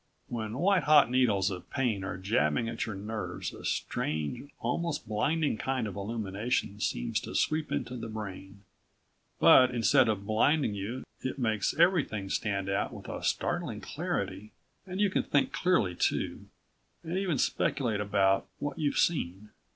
When white hot needles of pain are jabbing at your nerves a strange, almost blinding kind of illumination seems to sweep into the brain. But instead of blinding you it makes everything stand out with a startling clarity and you can think clearly too, and even speculate about what you've seen.